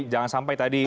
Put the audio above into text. jangan sampai tadi